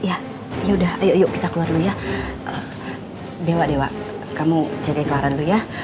oh ya udah yuk kita keluar dulu ya dewa dewa kamu jaga kewaran lu ya